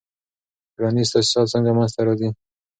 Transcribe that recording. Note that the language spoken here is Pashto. ټولنیز تاسیسات څنګه منځ ته راځي؟